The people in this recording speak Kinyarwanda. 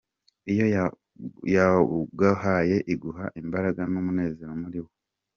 Iyo yawuguhaye iguha imbaraga n’umunezero muri wo.